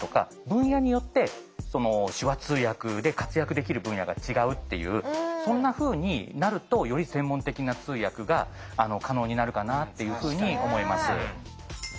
分野によって手話通訳で活躍できる分野が違うっていうそんなふうになるとより専門的な通訳が可能になるかなっていうふうに思います。